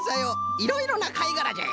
いろいろなかいがらじゃよ。